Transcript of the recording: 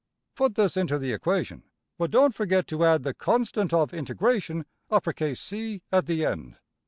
Put this into the equation; but don't forget to add the ``constant of integration''~$C$ at the end.